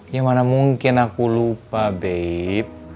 ya mana mungkin aku lupa bei